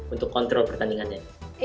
untuk mengawasi pertandingannya